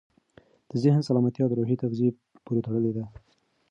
د ذهن سالمتیا د روحي تغذیې پورې تړلې ده.